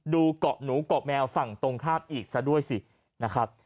ดูเกาะหนูเกาะแมวฝั่งตรงข้ามอีกซะด้วยสินะครับ